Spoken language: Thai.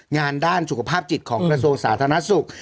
งานด้านสุขภาพจิตของกระทรวงสาธารณสุข